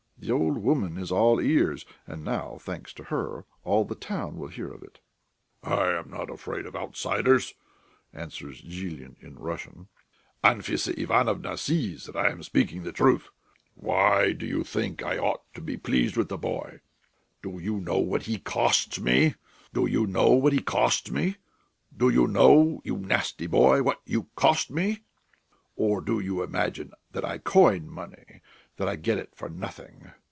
The old woman is all ears; and now, thanks to her, all the town will hear of it." "I am not afraid of outsiders," answers Zhilin in Russian. "Anfissa Ivanovna sees that I am speaking the truth. Why, do you think I ought to be pleased with the boy? Do you know what he costs me? Do you know, you nasty boy, what you cost me? Or do you imagine that I coin money, that I get it for nothing?